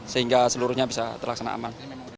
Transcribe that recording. sehingga seluruhnya bisa terlaksana aman